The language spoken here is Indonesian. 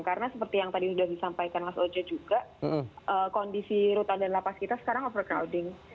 karena seperti yang tadi sudah disampaikan mas oce juga kondisi rutan dan lapas kita sekarang overcrowding